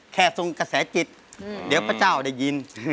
ทรงกระแสจิตเดี๋ยวพระเจ้าได้ยิน